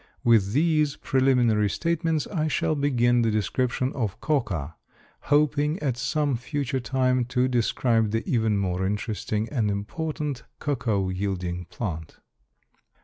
With these preliminary statements I shall begin the description of coca, hoping at some future time to describe the even more interesting and important cocoa yielding plant.